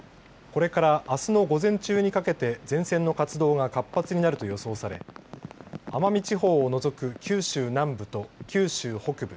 これから、あすの午前中にかけて前線の活動が活発になると予想され奄美地方を除く九州南部と九州北部